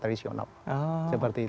kemudian bisa ke pasar tradisional